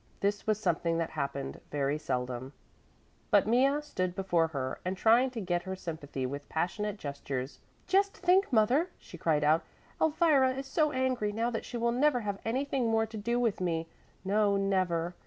This was something that happened very seldom. But Mea stood before her and trying to get her sympathy with passionate gestures. "Just think, mother," she cried out, "Elvira is so angry now that she will never have anything more to do with me, no never.